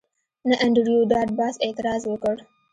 نه انډریو ډاټ باس اعتراض وکړ